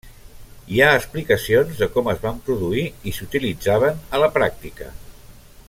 Hi ha explicacions de com es van produir i s'utilitzaven a la pràctica.